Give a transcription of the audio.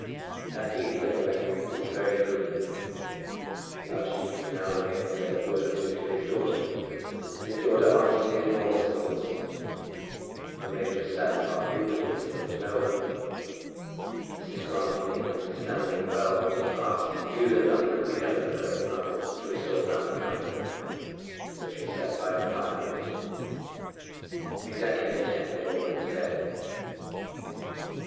That evening at the rectory was very gloomy. The archdeacon now and again said a word or two to his daughter, and his daughter answered him in monosyllables. The major sat apart moodily, and spoke to no one. Mrs. Grantly, understanding well what had passed, knew that nothing could be done at the present moment to restore family comfort; so she sat by the fire and knitted. Exactly at ten they all went to bed.